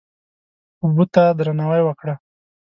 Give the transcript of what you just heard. اوبه ته درناوی وکړه.